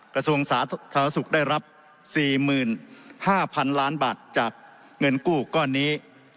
กระทรวงสาธารณสุขได้รับ๔๕๐๐๐ล้านบาทจากเงินกู้ก้อนนี้